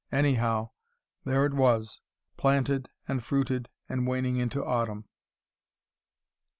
Anyhow, there it was, planted and fruited and waning into autumn.